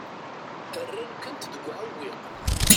Rran-kent deg uɛewwiq.